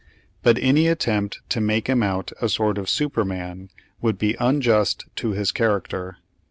But any attempt to make him out a sort of superman would be unjust to his character.